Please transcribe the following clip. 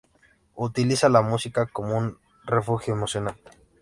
Utiliza la música como un refugio emocional.